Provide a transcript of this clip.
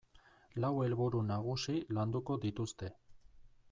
Lau helburu nagusi landuko dituzte.